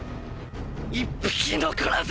一匹残らず！